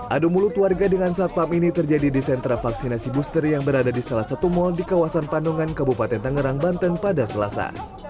adu mulut warga dengan satpam ini terjadi di sentra vaksinasi booster yang berada di salah satu mal di kawasan pandungan kabupaten tangerang banten pada selasa